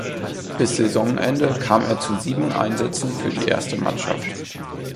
Bis Saisonende kam er zu sieben Einsätzen für die erste Mannschaft.